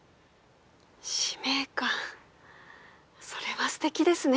使命感それはステキですね。